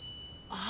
あ！